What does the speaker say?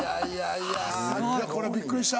いやこれびっくりした。